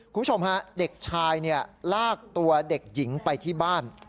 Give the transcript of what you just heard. คุณผู้ชมฮะเด็กชายลากตัวเด็กหญิงไปที่บ้าน